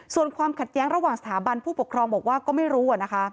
ส่วนความขัดแย้งระหว่างสถาบันผู้ปกครองบอกว่าก็ไม่รู้นะคะ